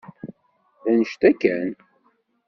D anect-a kan.